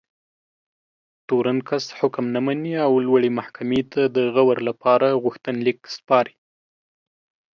تورن کس حکم نه مني او لوړې محکمې ته د غور لپاره غوښتنلیک سپاري.